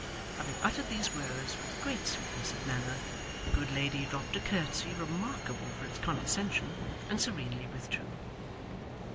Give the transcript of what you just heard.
Having uttered these words with great sweetness of manner, the good lady dropped a curtsey remarkable for its condescension, and serenely withdrew.